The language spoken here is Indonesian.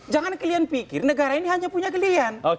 jangan kalian pikir negara ini hanya punya kalian